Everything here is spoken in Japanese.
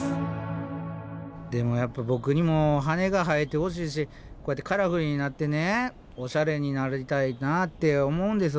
でもやっぱボクにも羽が生えてほしいしこうやってカラフルになってオシャレになりたいなって思うんですよ。